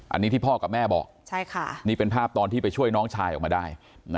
อันนี้ที่พ่อกับแม่บอกนี่เป็นภาพตอนที่ไปช่วยน้องชายออกมาได้